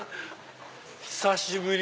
久しぶり！